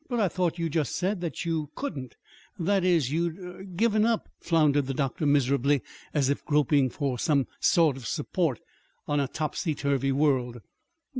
"But I thought you just said that you you couldn't that is, that you'd er given up," floundered the doctor miserably, as if groping for some sort of support on a topsy turvy world.